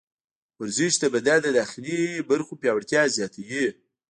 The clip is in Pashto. ورزش د بدن د داخلي برخو پیاوړتیا زیاتوي.